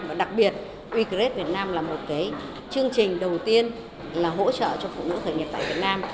và đặc biệt we create vietnam là một cái chương trình đầu tiên là hỗ trợ cho phụ nữ khởi nghiệp tại việt nam